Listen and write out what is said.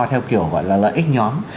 theo kiểu gọi là lợi ích nhóm